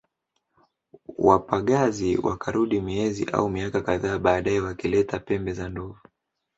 Wapagazi wakarudi miezi au miaka kadhaa baadae wakileta pembe za ndovu